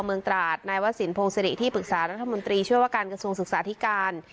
ตราดนายวสินพงศิริที่ปรึกษารัฐมนตรีช่วยว่าการกระทรวงศึกษาธิการ